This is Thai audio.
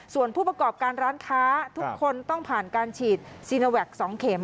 ส่วนผู้ประกอบการร้านค้าทุกคนต้องผ่านการฉีดซีโนแวค๒เข็ม